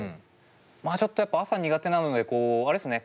まあちょっとやっぱ朝苦手なのであれですね